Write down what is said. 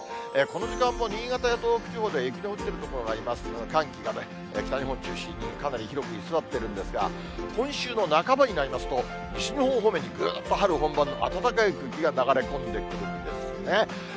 この時間も、新潟や東北で雪の降っている所がありますが、寒気がね、北日本中心に、かなり広く居座ってるんですが、今週の半ばになりますと、西日本方面にぐっと春本番の暖かい空気が流れ込んでくるんですね。